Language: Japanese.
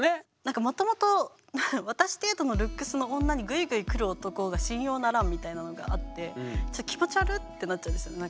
もともと私程度のルックスの女にグイグイ来る男が信用ならんみたいなのがあって気持ち悪ってなっちゃうんですよ。